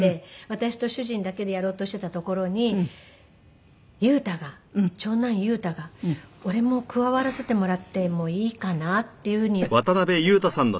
私と主人だけでやろうとしてたところに裕太が長男裕太が「俺も加わらせてもらってもいいかな？」っていう風に言ってくれまして。